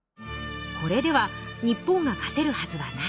「これでは日本が勝てるはずはない。